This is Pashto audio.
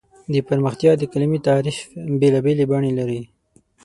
د پرمختیا د کلیمې تعریف بېلابېل بڼې لري.